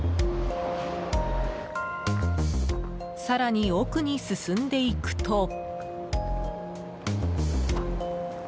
更に奥に進んでいくと。